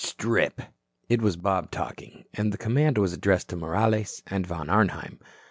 Strip." It was Bob talking, and the command was addressed to Morales and Von Arnheim.